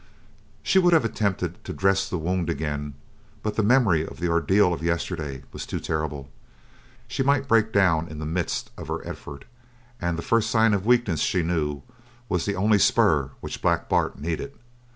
She would have attempted to dress the wound again, but the memory of the ordeal of yesterday was too terrible. She might break down in the midst of her effort, and the first sign of weakness, she knew, was the only spur which Black Bart needed.